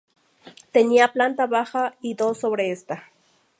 Tenía planta baja y dos sobre esta.